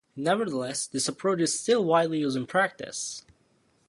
Nevertheless, this approach is still widely used in practice.